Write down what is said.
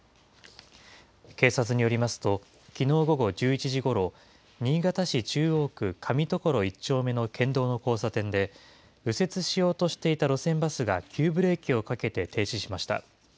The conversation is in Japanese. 警察によりますと、きのう午後１１時ごろ、新潟市中央区上所１丁目の県道の交差点で、右折しようとしていた路線バスが急ブレーキをかけて停止しました。